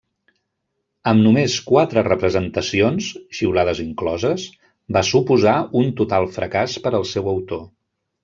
Amb només quatre representacions -xiulades incloses- va suposar un total fracàs per al seu autor.